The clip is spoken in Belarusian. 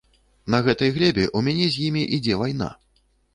На гэтай глебе ў мяне з імі ідзе вайна.